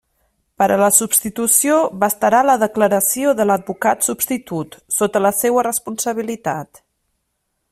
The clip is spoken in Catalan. Per a la substitució bastarà la declaració de l'advocat substitut, sota la seua responsabilitat.